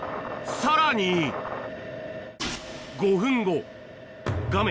さらに５分後画面